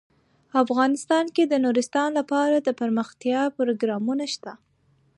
افغانستان کې د نورستان لپاره دپرمختیا پروګرامونه شته.